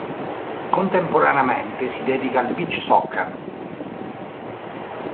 Contemporaneamente si dedica al beach soccer.